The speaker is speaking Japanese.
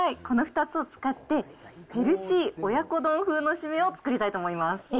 この２つを使って、ヘルシー親子丼風のシメを作りたいと思います。